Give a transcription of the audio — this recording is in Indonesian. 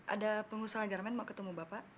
ada pengusaha jerman mau ketemu bapak